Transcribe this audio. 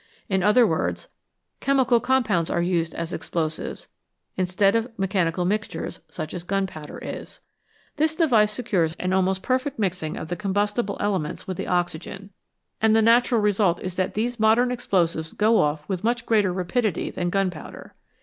In other words, chemical compounds are used as explosives instead of mechanical mixtures such as gun powder is. This device secures an almost perfect mixing of the combustible elements with the oxygen, and the 173 EXPLOSIONS AND EXPLOSIVES natural result is that these modern explosives go off with much greater rapidity than gunpowder.